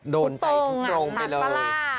โดนใจตงทรงไปเลย